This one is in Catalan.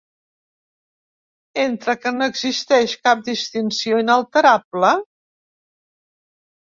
Entre què no existeix cap distinció inalterable?